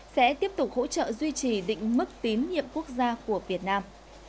sẽ tiếp tục hỗ trợ duy trì định mức tín nhiệm quốc gia của việt nam